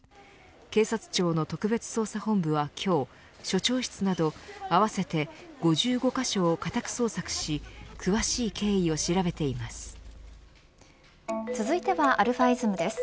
警察庁の特別捜査本部は今日署長室など合わせて５５カ所を家宅捜索し続いてはαｉｓｍです。